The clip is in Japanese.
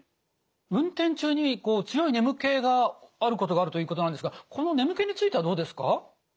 運転中に強い眠気があることがあるということなんですがこの眠気についてはどうですか？